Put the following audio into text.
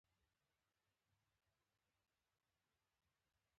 سندره د یار د راتګ تمه ده